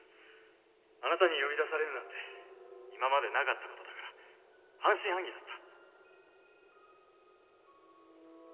あなたに呼び出されるなんて今までなかったことだから半信半疑だった。